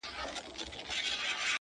اې غمه جانه” گرانه” صدقانه” سرگردانه”